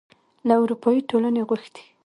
له اروپايي ټولنې غوښتي